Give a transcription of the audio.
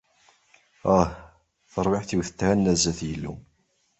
Ah! Tarwiḥt-iw tethenna sdat Yillu.